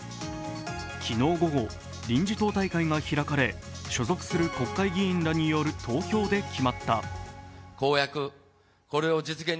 昨日午後、臨時党大会が開かれ所属する国会議員らによる投票で決まった。